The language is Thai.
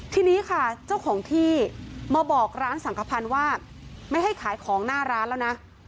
ทีนี้ค่ะเจ้าของที่มาบอกร้านสังขพันธ์ว่าไม่ให้ขายของหน้าร้านแล้วนะ